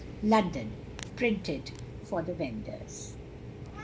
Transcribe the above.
London: Printed for the Vendors.